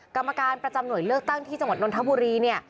กรรมการประจำหน่วยเลือกตั้งที่จังหวัดนนทบุรีเนี่ย